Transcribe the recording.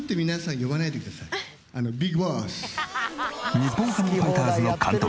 日本ハムファイターズの監督